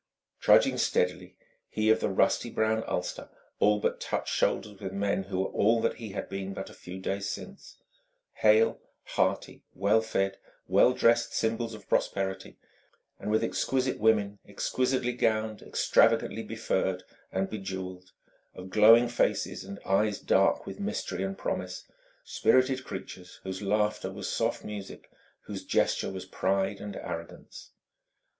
Trudging steadily, he of the rusty brown ulster all but touched shoulders with men who were all that he had been but a few days since hale, hearty, well fed, well dressed symbols of prosperity and with exquisite women, exquisitely gowned, extravagantly be furred and be jewelled, of glowing faces and eyes dark with mystery and promise: spirited creatures whose laughter was soft music, whose gesture was pride and arrogance.